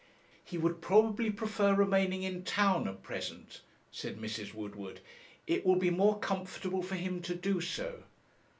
'He would probably prefer remaining in town at present,' said Mrs. Woodward. 'It will be more comfortable for him to do so.'